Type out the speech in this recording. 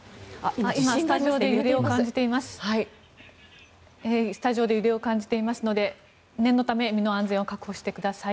今、スタジオで揺れを感じていますので念のため身の安全を確保してください。